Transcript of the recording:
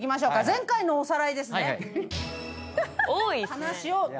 前回のおさらいですね。